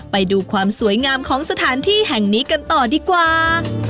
ไปดูความสวยงามของสถานที่แห่งนี้กันต่อดีกว่า